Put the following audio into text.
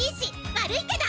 悪いけど！